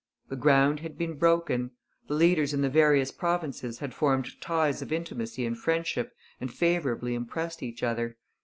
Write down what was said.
The ground had been broken. The leaders in the various provinces had formed ties of intimacy and friendship and favourably impressed each other.